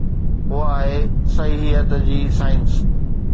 اها آهي صحيحيت جي سائنس.